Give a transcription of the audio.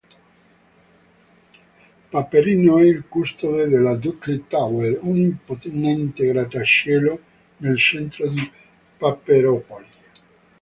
Paperino è il custode della Ducklair Tower, un imponente grattacielo nel centro di Paperopoli.